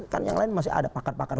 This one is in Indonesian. kan yang lain masih ada pakar pakar